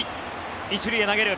１塁へ投げる。